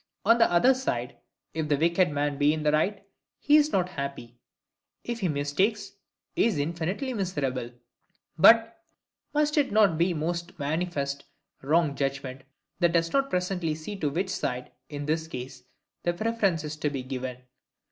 On the other side, if the wicked man be in the right, he is not happy; if he mistakes, he is infinitely miserable. Must it not be a most manifest wrong judgment that does not presently see to which side, in this case, the preference is to be given?